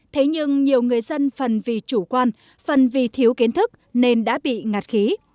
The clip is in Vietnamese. thế nhưng nhiều người dân phần vì chủ quan phần vì thiếu kiến thức nên đã bị ngạt khí